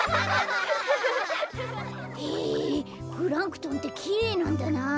へえプランクトンってきれいなんだなあ！